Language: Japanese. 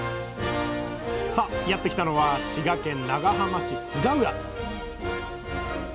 さあやって来たのは滋賀県長浜市菅浦